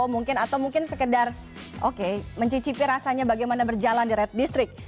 mungkin atau mungkin sekedar oke mencicipi rasanya bagaimana berjalan di red district